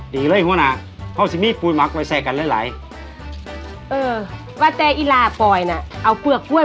ดีเลยหัวหน้าเพราะว่าซิมมีปุ๋ยมักไว้แทรกกันเรื่อย